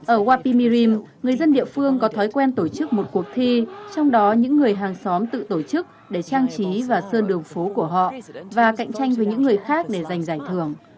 ở wimirim người dân địa phương có thói quen tổ chức một cuộc thi trong đó những người hàng xóm tự tổ chức để trang trí và sơn đường phố của họ và cạnh tranh với những người khác để giành giải thưởng